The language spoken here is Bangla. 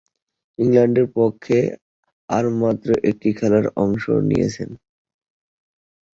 ইংল্যান্ডের পক্ষে আর মাত্র একটি খেলায় অংশ নিয়েছিলেন।